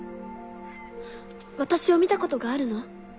私を見たことがあるの？